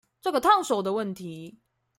這個燙手的問題